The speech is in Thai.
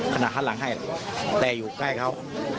ขณะหันหลังให้แต่อยู่ใกล้เขา